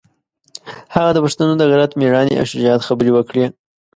هغه د پښتنو د غیرت، مېړانې او شجاعت خبرې وکړې.